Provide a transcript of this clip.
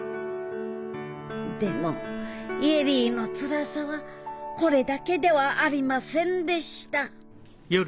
でも恵里のつらさはこれだけではありませんでした何？